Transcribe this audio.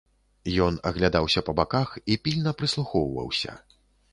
Ён аглядаўся па баках і пільна прыслухоўваўся.